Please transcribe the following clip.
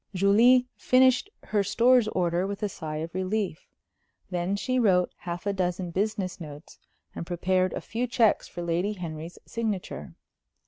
Julie finished her Stores order with a sigh of relief. Then she wrote half a dozen business notes, and prepared a few checks for Lady Henry's signature.